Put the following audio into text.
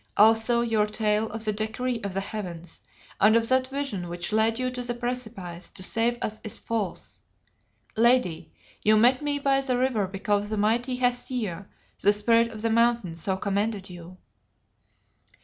Also your tale of the decree of the heavens and of that vision which led you to the precipice to save us is false. Lady, you met me by the river because the 'mighty' Hesea, the Spirit of the Mountain, so commanded you."